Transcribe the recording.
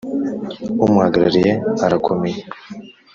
Umuhagarariye arakomeye.